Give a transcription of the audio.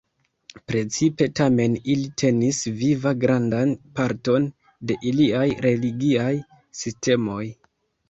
Precipe tamen ili tenis viva grandan parton de iliaj religiaj sistemoj.